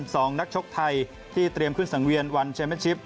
สองนักชกไทยที่เตรียมขึ้นสังเวียนวันเชมเป็นชิป